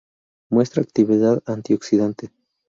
Muestra actividad antioxidante.